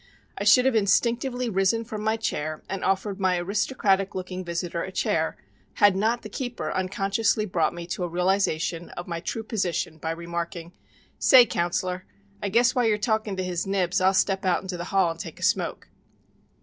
I should have instinctively risen from my chair and offered my aristocratic looking visitor a chair had not the keeper unconsciously brought me to a realization of my true position by remarking: "Say, Counsellor, I guess while you're talking to his nibs I'll step out into the hall and take a smoke."